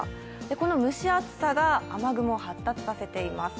この蒸し暑さが雨雲を発達させています。